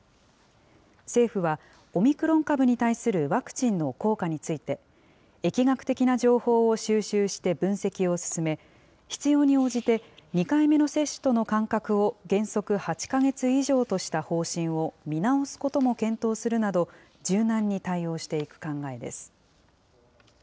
政府はオミクロン株に対するワクチンの効果について、疫学的な情報を収集して分析を進め、必要に応じて２回目の接種との間隔を原則８か月以上とした方針を見直すことも検討するなど、柔軟に対応していく考えです。